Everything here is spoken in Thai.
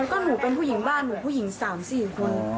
ก็หนูเป็นผู้หญิงบ้านหนูผู้หญิง๓๔คน